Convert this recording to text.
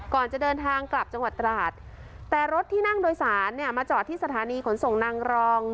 จะเดินทางกลับจังหวัดตราดแต่รถที่นั่งโดยสารเนี่ยมาจอดที่สถานีขนส่งนางรอง